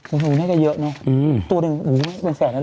อืมนั่นก็เยอะเนอะตัวหนึ่งเป็นแสนนั้นเหรอ